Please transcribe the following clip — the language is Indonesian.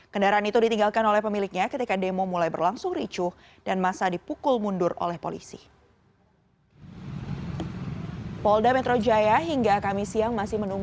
kendaraan itu ditinggalkan oleh pemiliknya ketika demo mulai berlangsung ricuh dan masa dipukul mundur oleh polisi